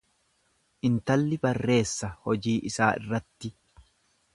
Intalli barreessa hojii isaa irratti.